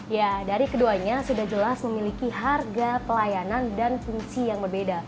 ya dari keduanya sudah jelas memiliki harga pelayanan dan fungsi yang berbeda